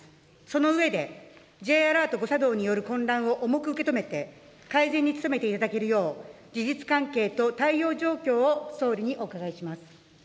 その上で、Ｊアラート誤作動による混乱を重く受け止めて、改善に努めていただけるよう、事実関係と対応状況を総理にお伺いします。